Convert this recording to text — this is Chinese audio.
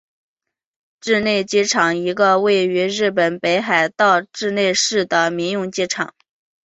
稚内机场一个位于日本北海道稚内市的民用机场。